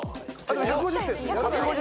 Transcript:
１５０点ですよ。